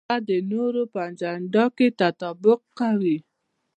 هغه د نورو په اجنډا کې تطابق کوي.